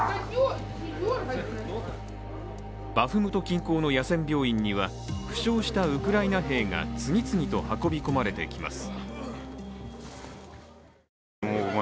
バフムト近郊の野戦病院には負傷したウクライナ兵が次々と運び込まれてきます。